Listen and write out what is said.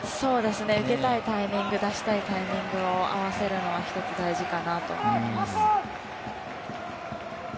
受けたいタイミング、出したいタイミングを合わせるのは１つ大事かなと思います。